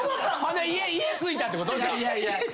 家着いたってこと？